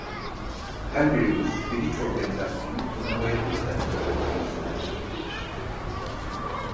Her bir ulus briç organizasyonunun turnuvaya bir takımla katılmasına izin verilir.